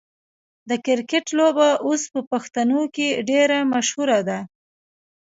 د کرکټ لوبه اوس په پښتنو کې ډیره مشهوره ده.